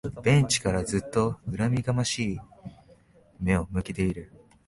ベンチからずっと恨みがましい目を向けている